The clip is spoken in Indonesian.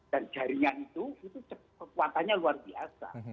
dan jaringan itu itu kekuatannya luar biasa